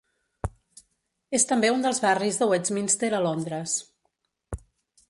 És també un dels barris de Westminster a Londres.